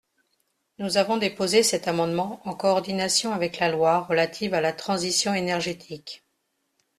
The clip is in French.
Nous avons déposé cet amendement en coordination avec la loi relative à la transition énergétique.